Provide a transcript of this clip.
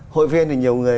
hội viên thì nhiều người